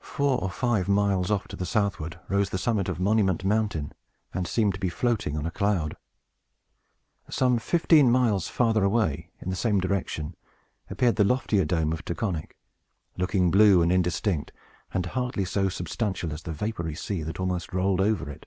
Four or five miles off to the southward rose the summit of Monument Mountain, and seemed to be floating on a cloud. Some fifteen miles farther away, in the same direction, appeared the loftier Dome of Taconic, looking blue and indistinct, and hardly so substantial as the vapory sea that almost rolled over it.